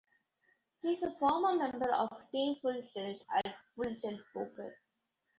He is a former member of "Team Full Tilt" at Full Tilt Poker.